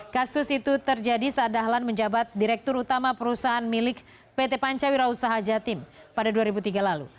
kasus itu terjadi saat dahlan menjabat direktur utama perusahaan milik pt pancawira usaha jatim pada dua ribu tiga lalu